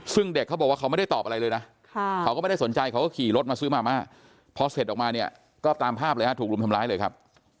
ซึ่งเด็กเขาบอกว่าเขาไม่ได้ตอบอะไรเลยนะเขาก็ไม่ได้สนใจเขาก็ขี่รถมาซื้อมาม่าพอเสร็จออกมาเนี่ยก็ตามภาพเลยฮะถูกรุมทำร้ายเลยครับ